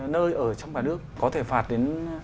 nơi ở trong cả nước có thể phạt đến